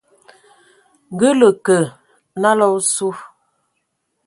Ngǝ lǝ kǝ nalǝ a osu,